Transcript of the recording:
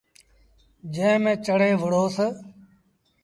جݩهݩ ميݩ چڙهي وُهڙوس۔